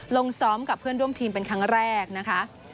ลงซ้อมกับเพื่อนร่วมทีมเป็นครั้งแรกนะคะ